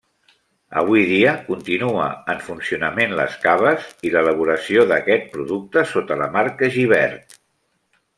Avui dia continua en funcionament les caves i l'elaboració d'aquest producte sota la marca Gibert.